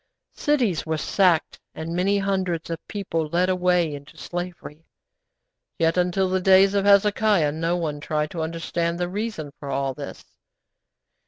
Cities were sacked, and many hundreds of people led away into slavery; yet, until the days of Hezekiah, no one tried to understand the reason for all this.